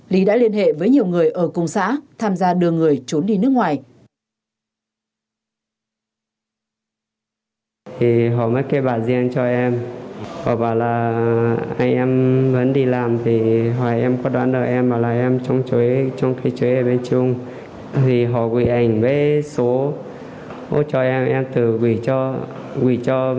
lý đã liên hệ với nhiều người ở cung xã tham gia đưa người trốn đi nước ngoài